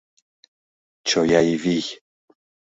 Чоя Ивий